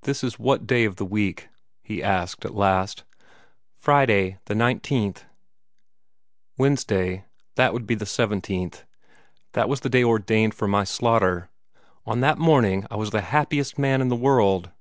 "This is what day of the week?" he asked, at last. "Friday, the nineteenth." "Wednesday that would be the seventeenth. That was the day ordained for my slaughter. On that morning, I was the happiest man in the world.